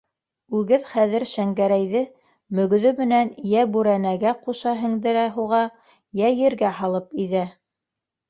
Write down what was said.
Үгеҙ хәҙер Шәңгәрәйҙе мөгөҙө менән йә бүрәнәгә ҡуша һеңдерә һуға, йә ергә һалып иҙә.